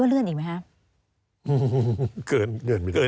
การเลือกตั้งครั้งนี้แน่